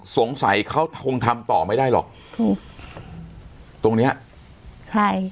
สงสัยเขาคงทำต่อไม่ได้หรอกถูกตรงเนี้ยใช่